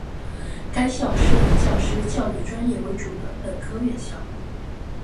该校是以教师教育专业为主的本科院校。